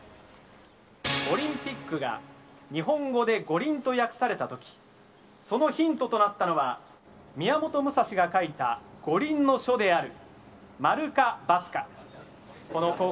オリンピックが日本語で五輪と訳されたとき、そのヒントとなったのは宮本武蔵が書いた五輪の書である。